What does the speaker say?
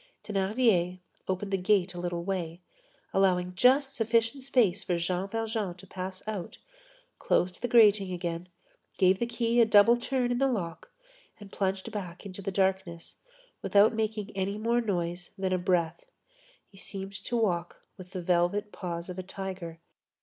Thénardier opened the gate a little way, allowing just sufficient space for Jean Valjean to pass out, closed the grating again, gave the key a double turn in the lock and plunged back into the darkness, without making any more noise than a breath. He seemed to walk with the velvet paws of a tiger.